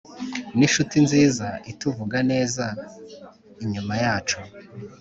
ninshuti nziza ituvuga neza inyuma yacu.